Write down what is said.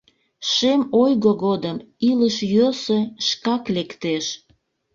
Шем ойго годым «Илыш йӧсӧ!» шкак лектеш.